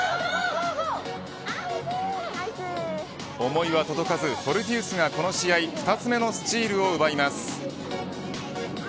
思いは届かずフォルティウスがこの試合２つ目のスチールを奪います。